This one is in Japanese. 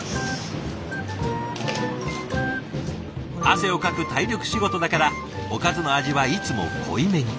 汗をかく体力仕事だからおかずの味はいつも濃いめに。